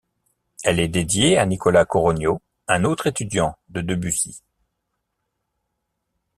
Elle est dédiée à Nicolas Coronio, un autre étudiant de Debussy.